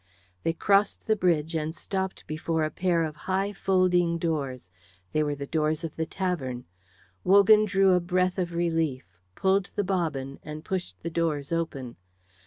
They crossed the bridge and stopped before a pair of high folding doors. They were the doors of the tavern. Wogan drew a breath of relief, pulled the bobbin, and pushed the doors open.